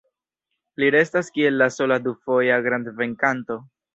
Li restas kiel la sola du-foja grand-venkanto.